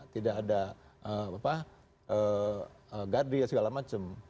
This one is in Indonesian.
tidak ada markah tidak ada gadri segala macam